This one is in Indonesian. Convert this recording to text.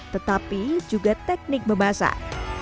tetapi juga teknik memasak